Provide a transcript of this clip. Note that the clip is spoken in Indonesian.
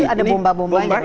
ini ada bomba bombanya